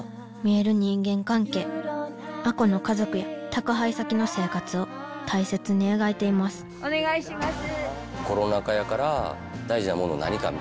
亜子の家族や宅配先の生活を大切に描いていますお願いします。